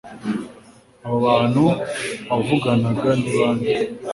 Abo bantu wavuganaga ni bande